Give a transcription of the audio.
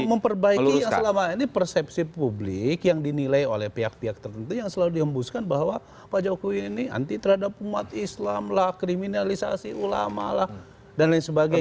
memperbaiki yang selama ini persepsi publik yang dinilai oleh pihak pihak tertentu yang selalu dihembuskan bahwa pak jokowi ini anti terhadap umat islam lah kriminalisasi ulama lah dan lain sebagainya